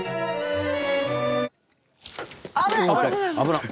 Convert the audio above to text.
危ない！